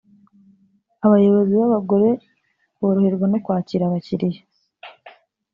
Abayobozi b’abagore boroherwa no kwakira abakiriya